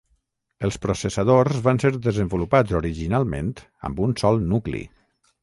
Els processadors van ser desenvolupats originalment amb un sol nucli.